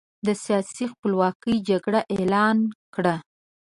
د سیاسي خپلواکۍ جګړه اعلان کړه.